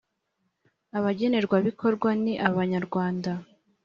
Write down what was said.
abagenerwabikorwa ni abanyarwanda